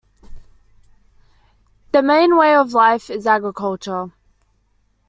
The main way of life is agriculture.